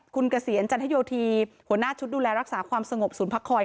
คุณเกษียณจันทโยธีหัวหน้าชุดดูแลรักษาความสงบศูนย์พักคอย